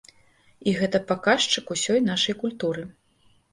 І гэта паказчык усёй нашай культуры.